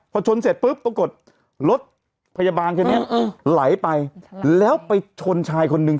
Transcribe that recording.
พอชนเสร็จปุ๊บต้องกดรถพยาบาลแบบนี้อืมอืมไหลไปแล้วไปชนชายคนนึง